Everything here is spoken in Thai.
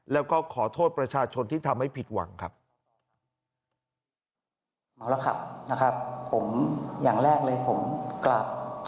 แล้วก็ขอโทษประชาชนที่ทำให้ผิดหวังครับ